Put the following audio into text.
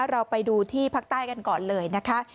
เราไปดูที่ภาคใต้กันก่อนเลยนะคะ